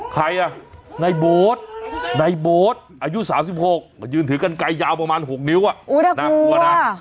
ใครอ่ะในโบ๊ทในโบ๊ทอายุสามสิบหกยืนถือกันไก่ยาวประมาณหกนิ้วอ่ะน่ากลัวนะ